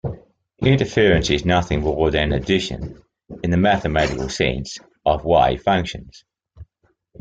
Interference is nothing more than the addition, in the mathematical sense, of wave functions.